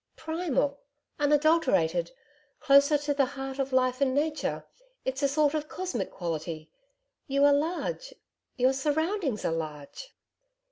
'Primal, unadulterated closer to the heart of life and nature. It's a sort of cosmic quality. You are large your surroundings are large.'